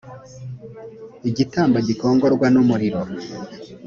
igitambo gikongorwa n ‘umuriro .